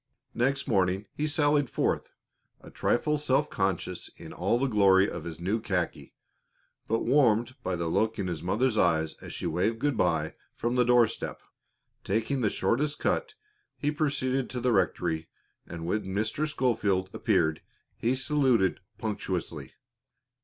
Next morning he sallied forth, a trifle self conscious in all the glory of his new khaki, but warmed by the look in his mother's eyes as she waved good by from the door step. Taking the shortest cut, he proceeded to the rectory, and when Mr. Schofield appeared he saluted punctiliously.